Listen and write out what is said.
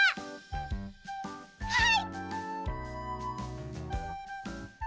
はい！